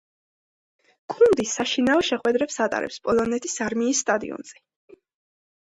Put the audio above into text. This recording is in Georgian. გუნდი საშინაო შეხვედრებს ატარებს პოლონეთის არმიის სტადიონზე.